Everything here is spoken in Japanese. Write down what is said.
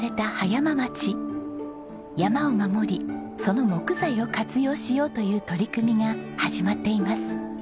山を守りその木材を活用しようという取り組みが始まっています。